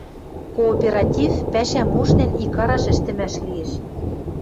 Кооператив — пӓшӓм ушнен, икараш ӹштӹмӓш лиэш.